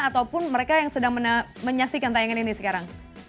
ataupun mereka yang sedang menyaksikan tayangan ini sekarang